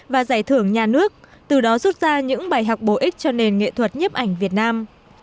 và giải thưởng nhà nước từ đó rút ra những bài học bổ ích cho nền nghệ thuật nhiếp ảnh việt nam